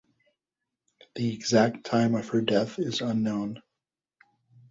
The exact time of her death is unknown.